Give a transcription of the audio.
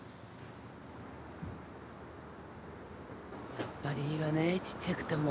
やっぱりいいわねちっちゃくても。